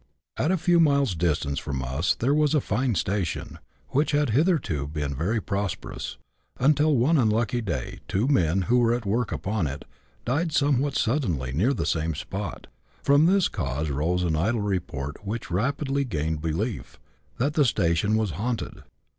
At a few miles distance from us there was a fine station, which had hitherto been very prosperous, until one unlucky day two men, who were at work upon it, died somewhat suddenly near the same spot. From this cause rose an idle report, which rapidly gained belief, that the station was haunted